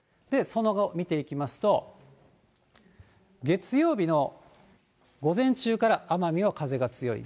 その後、見ていきますと、月曜日の午前中から奄美は風が強い。